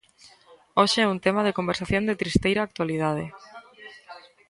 Hoxe é un tema de conversación de tristeira actualidade.